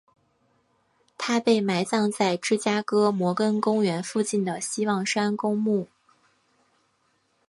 他被埋葬在芝加哥摩根公园附近的希望山公墓。